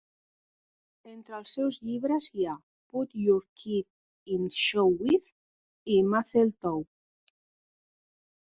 Entre els seus llibres hi ha "Put Your Kid in Show Biz" i "Mazel Tov!